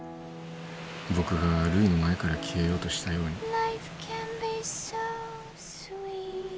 僕がるいの前から消えようとしたように。